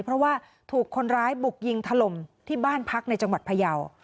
เพราะว่าถูกคนร้ายบุกยิงถล่มที่บ้านพักในจังหวัดพยาว